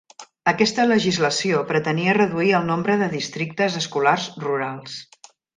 Aquesta legislació pretenia reduir el nombre de districtes escolars rurals.